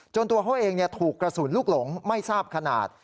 ตัวเขาเองถูกกระสุนลูกหลงไม่ทราบขนาด